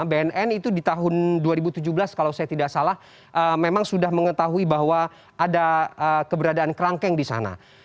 bnn itu di tahun dua ribu tujuh belas kalau saya tidak salah memang sudah mengetahui bahwa ada keberadaan kerangkeng di sana